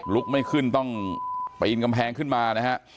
ลุกไม่ขึ้นต้องปีนกำแพงขึ้นมานะฮะ